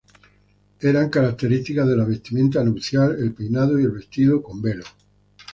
Eran características de la vestimenta nupcial el peinado y el vestido con velo.